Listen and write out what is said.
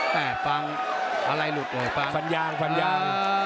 ฟังอะไรหลุดเลยฟังฟันยางฟันยาง